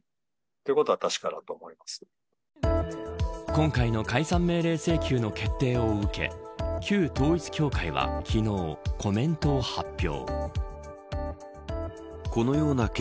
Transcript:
今回の解散命令請求の決定を受け旧統一教会は昨日コメントを発表。